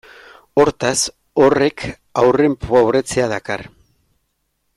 Hortaz, horrek haurren pobretzea dakar.